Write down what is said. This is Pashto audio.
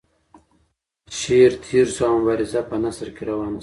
شعر تیر شو او مبارزه په نثر کې روانه شوه.